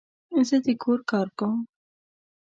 زه د کور کار کوم